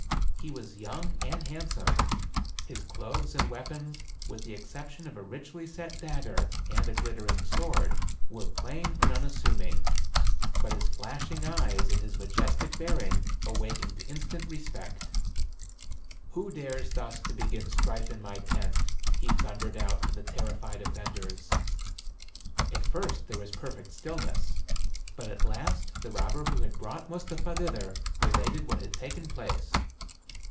He was young, and hand some ; his clothes and weapons, with the exception of a richly set dagger, and a glittering sword, were plain and unassuming; but his flashing eyes and his majestic bearing awakened instant respect. " Who dares thus to begin strife in my tent ?" he thundered out to the terrified offenders. At first there was perfect stillness; but at last the robber who had brought Mustapha thither related what had taken place.